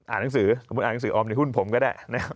อ่านหนังสืออ่านหนังสือออมในหุ้นผมก็ได้